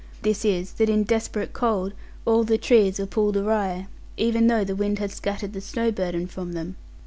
This is that in desperate cold all the trees were pulled awry, even though the wind had scattered the snow burden from them.